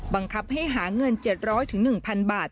บังคับให้หาเงิน๗๐๐๑๐๐บาท